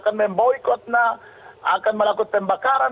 akan memboykotna akan melakukan pembakaran